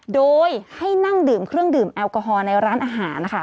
โดยให้นั่งดื่มเครื่องดื่มแอลกอฮอลในร้านอาหารนะคะ